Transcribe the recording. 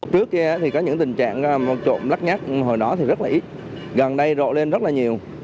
trước kia thì có những tình trạng trộm lắc nhắc hồi đó thì rất là ít gần đây rộ lên rất là nhiều